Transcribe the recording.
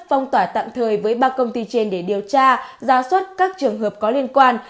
phong tỏa tạm thời với ba công ty trên để điều tra ra soát các trường hợp có liên quan